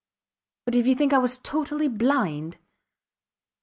But if you think I was totally blind